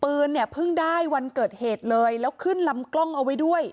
เนี่ยเพิ่งได้วันเกิดเหตุเลยแล้วขึ้นลำกล้องเอาไว้ด้วย